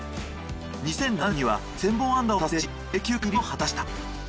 ２００７年には２，０００本安打を達成し名球会入りを果たした。